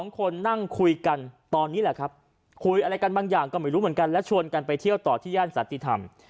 ๒คนนั่งคุยกันตอนนี้แหละครับคุยอะไรกันบางอย่างก็ไม่รู้เหมือนกันและชวนกันไปเที่ยวต่อที่ย่านสันติธรรม